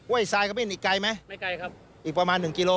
เว้ยซ้ายเข้าไปนี่ไกลไหมไม่ไกลครับอีกประมาณ๑กิโล